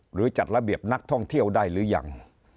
หรือจัดระเบียบนักท่องเที่ยวได้หรือยัง